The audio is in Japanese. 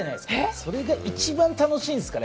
それが一番楽しいんですかね